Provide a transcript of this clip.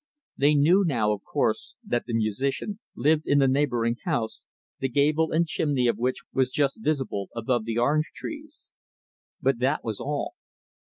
They knew, now, of course, that the musician lived in the neighboring house the gable and chimney of which was just visible above the orange trees. But that was all.